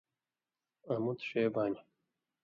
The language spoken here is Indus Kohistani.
آں مُت شے بانیۡ